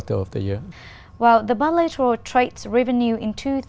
tài liệu tài liệu tài liệu trong năm hai nghìn một mươi bảy là hơn một mươi triệu đồng